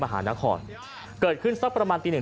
มหานครเกิดขึ้นสักประมาณตีหนึ่ง